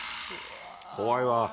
怖いわ。